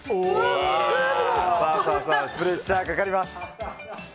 プレッシャーがかかります。